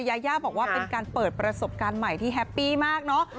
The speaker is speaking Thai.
ยายาบอกว่าเป็นการเปิดประสบการณ์ใหม่ที่แฮปปี้มากเนอะ